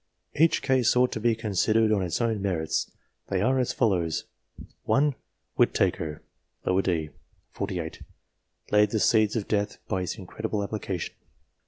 Each case ought to be considered on its own merits ; they are as follow : 1. Whitaker, d. set. 48, laid the seeds of death by his incredible application.